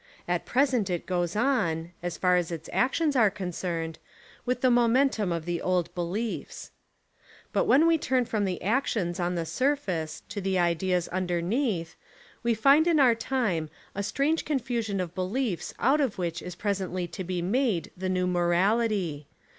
At present it goes on, as far as its actions are con cerned, with the momentum of the old beliefs. 50 The Devil and the Deep Sea But when we turn from the actions on the surface to the Ideas underneath, we find In our time a strange confusion of beliefs out of which is presently to be made the New Mo rality.